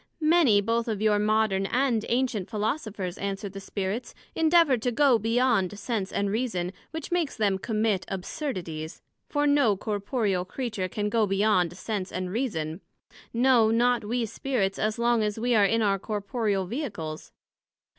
Many, both of your modern and ancient Philosophers, answered the Spirits, endeavour to go beyond Sense and Reason, which makes them commit absurdities; for no corporeal Creature can go beyond Sense and Reason; no not we Spirits, as long as we are in our corporeal Vehicles.